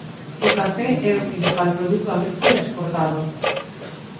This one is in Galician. O café é o principal produto agrícola exportado.